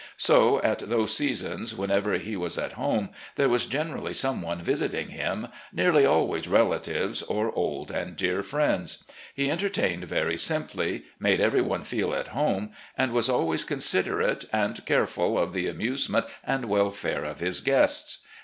So, at those seasons, whenever he was at home, there was generally some one visiting him, nearly always relatives or old and dear friends. He en tertained very simply, made every one feel at home, and was always considerate and careful of the amusement and welfare of his guests.